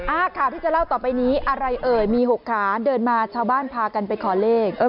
ข่าวที่จะเล่าต่อไปนี้อะไรเอ่ยมี๖ขาเดินมาชาวบ้านพากันไปขอเลข